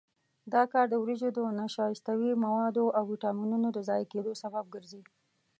دا کار د وریجو د نشایستوي موادو او ویټامینونو د ضایع کېدو سبب ګرځي.